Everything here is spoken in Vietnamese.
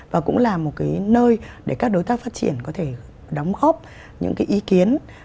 và cũng là một cái nơi để các đối tác phát triển có thể đóng góp những cái ý kiến